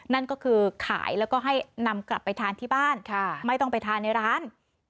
นั่นก็คือขายแล้วก็ให้นำกลับไปทานที่บ้านไม่ต้องไปทานในร้าน